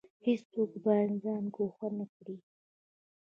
هیڅوک باید ځان ګوښه نکړي